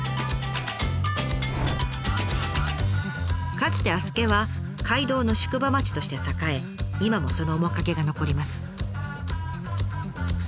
かつて足助は街道の宿場町として栄え今もその面影が残ります。